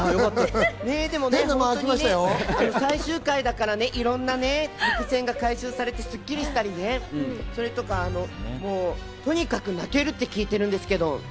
最終回だからね、いろんな伏線が回収されてスッキリしたり、それとか、とにかく泣けるって聞いてるんですけど？